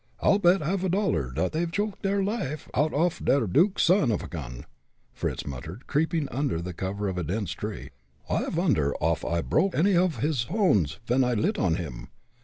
"I'll bet a half dollar dot they've choked der life oud off dot duke's son off a gun," Fritz muttered, creeping under the cover of a dense tree. "I vonder off I proke any of his pones ven I lit on him.